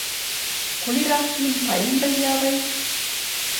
குளிராக்கியின் பயன்கள் யாவை?